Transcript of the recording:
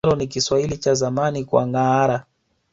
Njaro ni Kiswahili cha zamani kwa ngâara